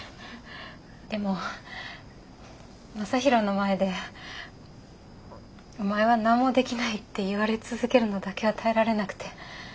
でも将大の前で「お前は何もできない」って言われ続けるのだけは耐えられなくて。